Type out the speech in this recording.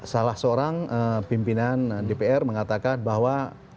salah seorang pimpinan dpr mengatakan bahwa